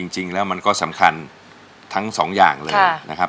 จริงแล้วมันก็สำคัญทั้งสองอย่างเลยนะครับ